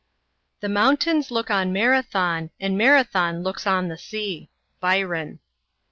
"The mountains look on Marathon, And Marathon looks on the sea." BYRON.